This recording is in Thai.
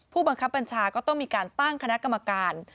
ผู้บังคับบัญชาก็ต้องมีการตั้งคณะกรรมการ